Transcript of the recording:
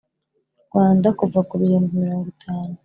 Rwanda kuva ku bihumbi mirongo itanu